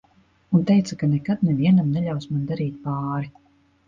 Un teica, ka nekad nevienam neļaus man darīt pāri.